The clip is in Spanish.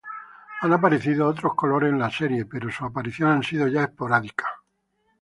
Han aparecido otros colores en la serie, pero sus apariciones han sido ya esporádicas.